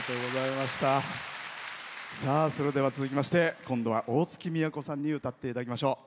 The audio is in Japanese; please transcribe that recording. それでは、続きまして今度は大月みやこさんに歌っていただきましょう。